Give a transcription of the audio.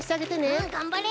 うんがんばれ！